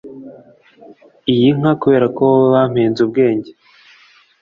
iyi nka kubera ko wowe wampenze ubwenge